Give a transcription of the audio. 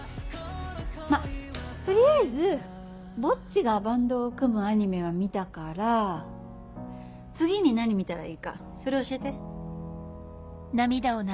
ま取りあえずぼっちがバンドを組むアニメは見たから次に何見たらいいかそれ教えて。